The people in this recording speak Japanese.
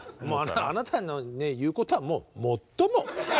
あなたの言うことはもうもっとも！